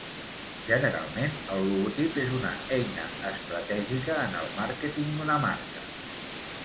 Generalment, el logotip és una eina estratègica en el màrqueting d'una marca.